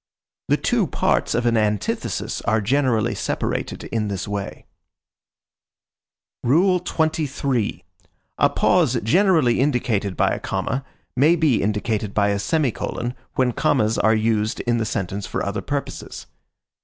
The two parts of an antithesis are generally separated in this way. XXIII. A pause generally indicated by a comma may be indicated by a semicolon when commas are used in the sentence for other purposes.